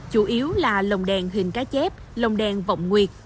chủ yếu là lồng đèn hình cá chép lồng đèn vọng nguyệt